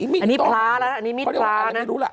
อันนี้ภรรณ์ละอันนี้มิดภรรณร์นะ